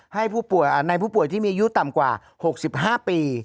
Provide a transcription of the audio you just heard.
ให้ผู้ป่วยในผู้ป่วยที่มีอายุต่ำกว่า๖๕ปี